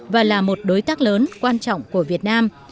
và là một đối tác lớn quan trọng của việt nam